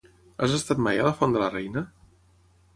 Has estat mai a la Font de la Reina?